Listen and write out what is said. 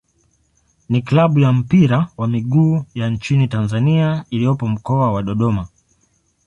ni klabu ya mpira wa miguu ya nchini Tanzania iliyopo Mkoa wa Dodoma.